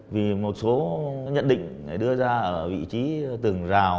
vì một số nhận định đưa ra ở vị trí tường rào